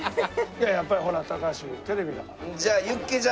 いややっぱ高橋テレビだから。